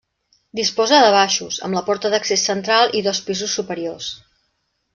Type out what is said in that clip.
Disposa de baixos, amb la porta d'accés central, i dos pisos superiors.